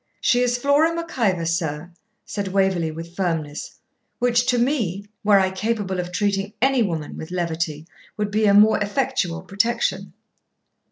'She is Flora Mac Ivor, sir,' said Waverley, with firmness, 'which to me, were I capable of treating ANY woman with levity, would be a more effectual protection.'